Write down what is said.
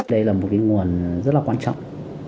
đây là một nguồn rất là quan trọng